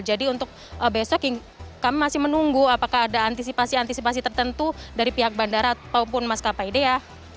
jadi untuk besok kami masih menunggu apakah ada antisipasi antisipasi tertentu dari pihak bandara maupun mas kp dea